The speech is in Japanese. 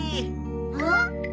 うん？